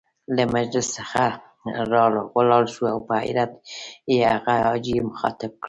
له مجلس څخه را ولاړ شو او په حيرت يې هغه حاجي مخاطب کړ.